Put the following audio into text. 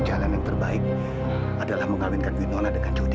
jalan yang terbaik adalah mengawinkan winona dengan judi